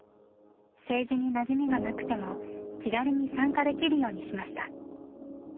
政治になじみがなくても気軽に参加できるようにしました。